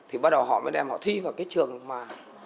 thì bắt đầu họ mới đem họ thi vào cái trường mà